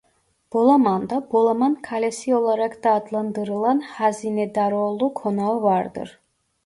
Bolaman'da Bolaman Kalesi olarak da adlandırılan Hazinedaroğlu Konağı vardır.